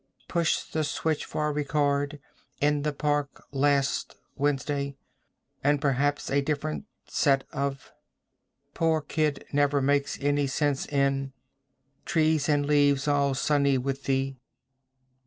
"... push the switch for record ... in the park last Wednesday ... and perhaps a different set of ... poor kid never makes any sense in ... trees and leaves all sunny with the ...